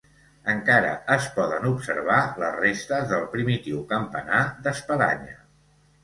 Encara es poden observar les restes del primitiu campanar d'espadanya.